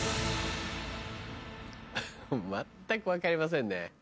全く分かりませんね。